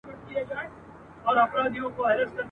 هر ناحق ته حق ویل دوی ته آسان وه !.